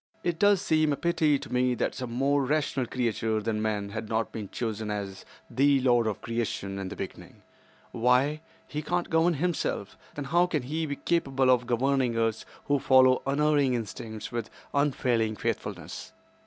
"It does seem a pity, to me, that some more rational creature than man had not been chosen as 'The lord of creation' in the beginning. Why, he cannot govern himself. Then how can he be capable of governing us who follow unerring instincts with unfailing faithfulness?